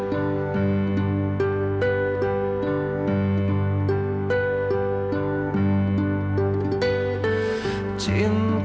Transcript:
kamu yang nulis surat ini